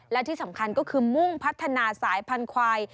และที่สำคัญก็คือมุ่งพัฒนาสายพันธุ์ควาย